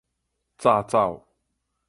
紮走